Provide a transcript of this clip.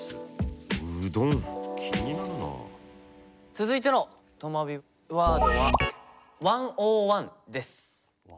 続いてのとまビワードは１ｏｎ１です。